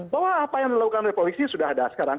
bahwa apa yang dilakukan oleh polisi sudah ada sekarang